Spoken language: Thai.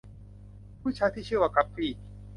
เด็กผู้ชายที่ชื่อว่า กั๊ปปี้